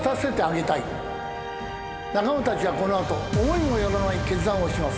仲間たちはこの後思いも寄らない決断をします。